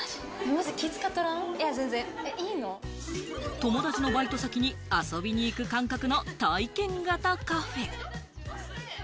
友達のバイト先に遊びに行く感覚の体験型カフェ。